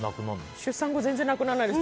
出産後全然なくならないです。